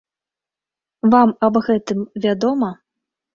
Вам аб гэтым вядома?